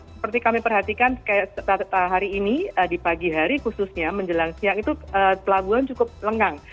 seperti kami perhatikan hari ini di pagi hari khususnya menjelang siang itu pelabuhan cukup lengang